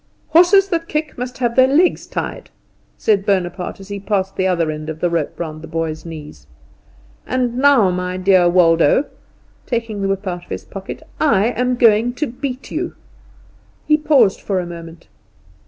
"Horses that kick must have their legs tied," said Bonaparte, as he passed the other end of the rope round the boy's knees. "And now, my dear Waldo," taking the whip out of his pocket, "I am going to beat you." He paused for a moment.